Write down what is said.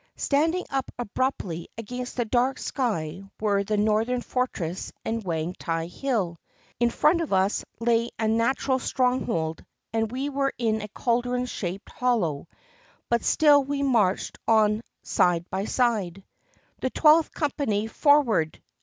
Standing up abruptly against the dark sky were the Northern Fortress and Wang tai Hill. In front of us lay a natural stronghold, and we were in a caldron shaped hollow. But still we marched on side by side. "The Twelfth Company forward!"